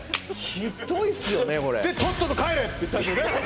ひどいっすよねこれって言ったんですよね